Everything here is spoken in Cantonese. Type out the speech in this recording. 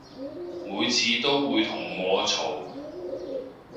每次都會同我嘈